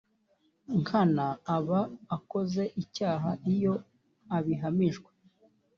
nkana aba akoze icyaha iyo abihamijwe